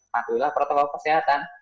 matulah protokol kesehatan